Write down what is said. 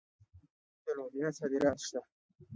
د لوبیا صادرات شته.